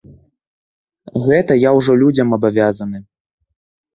Гэта я ўжо людзям абавязаны.